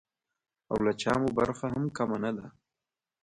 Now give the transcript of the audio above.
او له چا مو برخه هم کمه نه ده.